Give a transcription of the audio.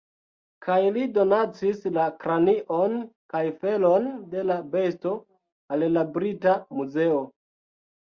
Kaj li donacis la kranion kaj felon de la besto al la Brita Muzeo.